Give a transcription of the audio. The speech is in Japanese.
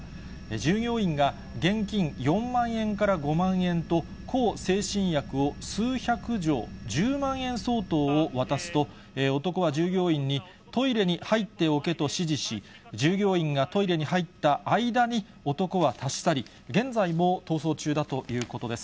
従業員が現金４万円から５万円と、向精神薬を数百錠、１０万円相当を渡すと、男は従業員に、トイレに入っておけと指示し、従業員がトイレに入った間に、男は立ち去り、現在も逃走中だということです。